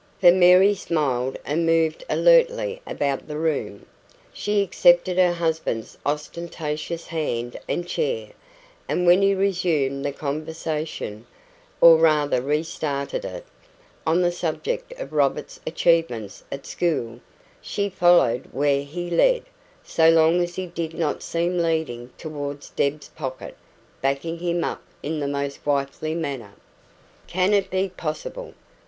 For Mary smiled and moved alertly about the room. She accepted her husband's ostentatious hand and chair, and when he resumed the conversation, or rather restarted it, on the subject of Robert's achievements at school, she followed where he led, so long as he did not seem leading towards Deb's pocket, backing him up in the most wifely manner. "Can it be possible?"